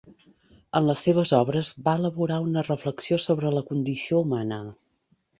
En les seves obres va elaborar una reflexió sobre la condició humana.